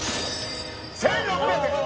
１６００円！